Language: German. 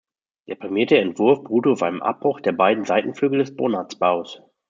Der prämierte Entwurf beruht auf einem Abbruch der beiden Seitenflügel des Bonatz-Baus.